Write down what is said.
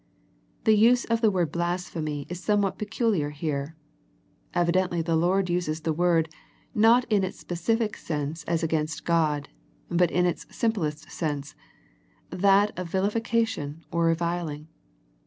The use of the word blasphemy is somewhat pecuHar here. Evidently the Lord uses the word, not in its specific sense as against God, but in its simplest sense, that of vilification or reviling.